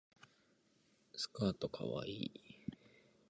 スカートかわいい